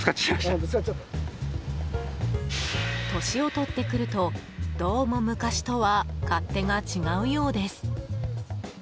年を取ってくるとどうも昔とは勝手が違うようです。